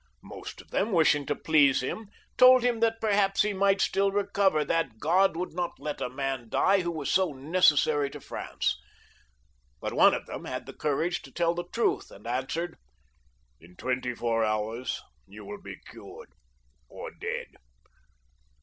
Most of them, wishing to please him, told him that perhaps, he might still recover, that God would not let a man die who was so necessary to France ; but one of them had the courage to tell the truth and answered, " In twenty four hours you will be cured or dead."